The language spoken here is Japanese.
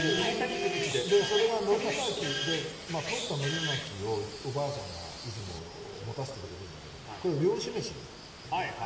それは、とったのり巻きをおばあちゃんがいつも持たせてくれるんだけど漁師飯でね